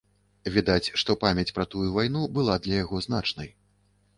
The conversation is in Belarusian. Відаць, што памяць пра тую вайну была для яго значнай.